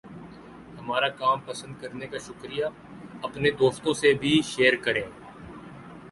ہمارا کام پسند کرنے کا شکریہ! اپنے دوستوں سے بھی شیئر کریں۔